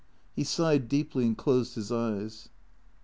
He sighed deeply and closed his eyes.